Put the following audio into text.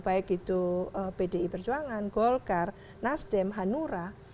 baik itu pdi perjuangan golkar nasdem hanura